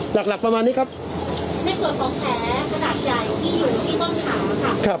หลักหลักประมาณนี้ครับในส่วนของแผลขนาดใหญ่ที่อยู่ที่ต้นขาค่ะครับ